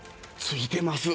付いてます。